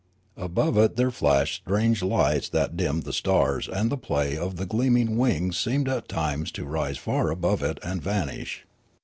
Above it there flashed strange lights that dimmed the stars and the play of gleaming wings seemed at times to rise far above it and vanish.